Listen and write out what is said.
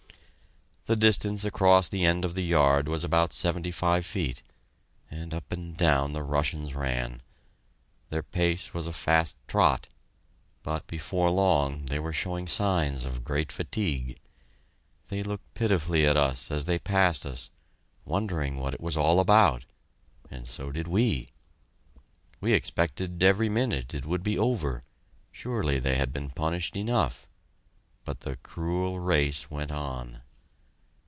The distance across the end of the yard was about seventy five feet, and up and down the Russians ran. Their pace was a fast trot, but before long they were showing signs of great fatigue. They looked pitifully at us as they passed us, wondering what it was all about, and so did we. We expected every minute it would be over; surely they had been punished enough. But the cruel race went on.